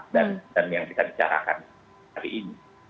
dan yang kita bicarakan hari ini